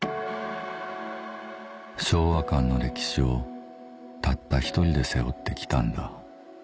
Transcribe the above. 「昭和館の歴史をたった一人で背負って来たんだ」